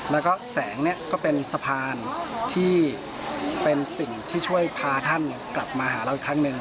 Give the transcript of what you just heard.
แล้วก็แสงเนี่ยก็เป็นสะพานที่เป็นสิ่งที่ช่วยพาท่านกลับมาหาเราอีกครั้งหนึ่ง